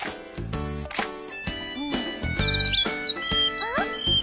・あっ！